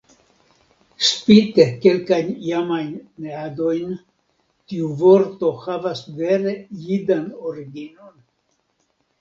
Spite kelkajn jamajn neadojn, tiu vorto havas vere jidan originon.